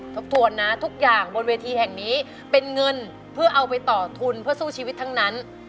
ทบทวนนะทุกอย่างบนเวทีแห่งนี้เป็นเงินเพื่อเอาไปต่อทุนเพื่อสู้ชีวิตทั้งนั้น